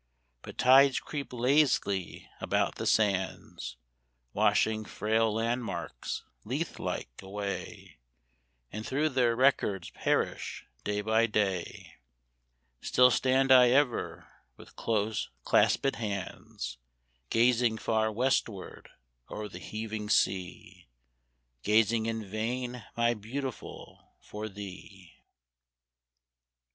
But tides creep lazily about the sands, Washing frail landmarks, Lethe like, away, And though their records perish day by day, Still stand I ever, with close claspèd hands, Gazing far westward o'er the heaving sea, Gazing in vain, my Beautiful, for thee.